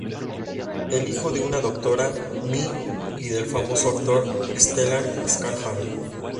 Es hijo de una doctora, My, y del famoso actor Stellan Skarsgård.